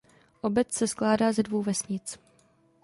Obec se skládá ze dvou vesnic.